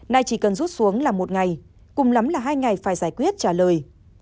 nay chỉ cần rút xuống là một ngày cùng lắm là hai ngày phải giải quyết trả lời